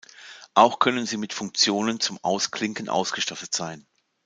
Auch können sie mit Funktionen zum Ausklinken ausgestattet sein.